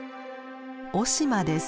雄島です。